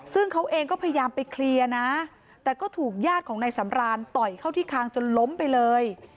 ซึ่งเขาเองก็พยายามไปเคลียร์นะแต่ก็ถูกญาติของนายสำรานต่อยเข้าที่คางจนล้มไปเลย